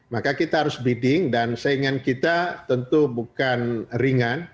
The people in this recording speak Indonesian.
maka kita harus bidding dan saingan kita tentu bukan ringan